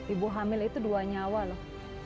ibu hamil itu dua nyawa loh